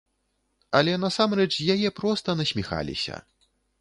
Але насамрэч з яе проста насміхаліся.